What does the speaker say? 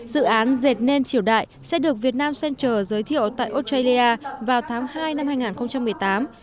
dự án dệt nên triều đại sẽ được việt nam center giới thiệu tại australia vào tháng hai năm hai nghìn một mươi tám